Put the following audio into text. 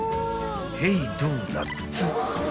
［ヘイドーナツ］